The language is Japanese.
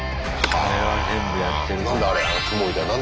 あれは全部やってるから。